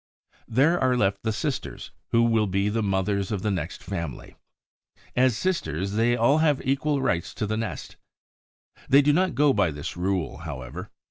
There are left the sisters, who will be the mothers of the next family. As sisters, they all have equal rights to the nest. They do not go by this rule, however.